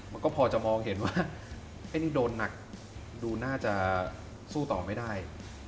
มันก็พอจะมองเห็นว่าไอ้นี่โดนหนักดูน่าจะสู้ต่อไม่ได้